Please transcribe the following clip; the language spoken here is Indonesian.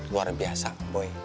luar biasa boy